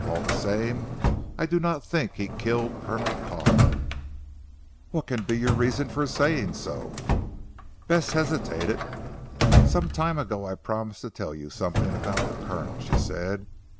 All the same I do not think he killed Colonel Carr." "What can be your reason for saying so?" Bess hesitated. "Some time ago I promised to tell you something about the Colonel," she said.